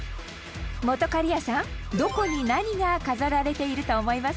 本仮屋さん、どこに何が飾られていると思いますか？